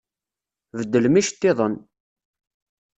Beddlem iceṭṭiḍen!